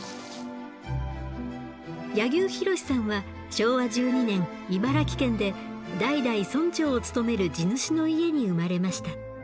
柳生博さんは昭和１２年茨城県で代々村長を務める地主の家に生まれました。